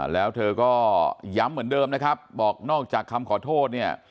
แล้วเธอก็ย้ำเหมือนเดิมนะครับบอกนอกจากคำขอโทษเนี่ย